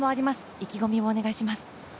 意気込みをお願いします。